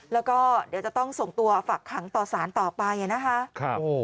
แล้วก็เดี๋ยวจะต้องส่งตัวฝักขังต่อสารต่อไปนะคะ